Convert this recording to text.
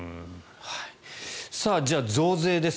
じゃあ増税です。